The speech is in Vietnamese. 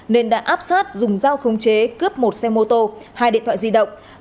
nên đã áp sát dùng dao khống chế cướp một xe mô tô hai điện thoại di động